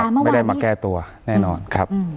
ไม่ได้มาแก้ตัวแน่นอนครับ